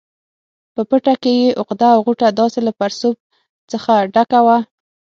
په پټه کې یې عقده او غوټه داسې له پړسوب څخه ډکه وه.